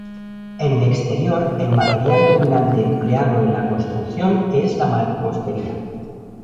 En el exterior el material dominante empleado en la construcción es la mampostería.